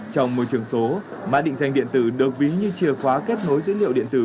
trong môi trường số mã định danh điện tử được ví như chìa khóa kết nối dữ liệu điện tử